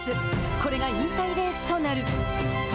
これが引退レースとなる。